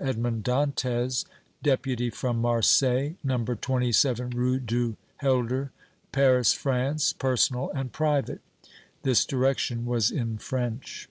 Edmond Dantès, Deputy from Marseilles, No. 27 Rue du Helder, Paris, France. Personal and private." This direction was in French.